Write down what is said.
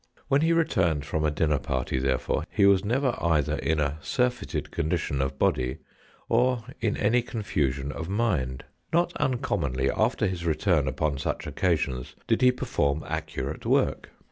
When he returned from a dinner party, therefore, he was never either in a surfeited condition of body, or in any confusion of mind. Not uncommonly after his return upon such occasions did he perform accurate work.